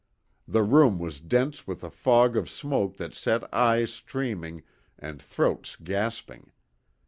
The room was dense with a fog of smoke that set eyes streaming and throats gasping.